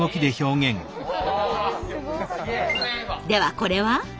ではこれは？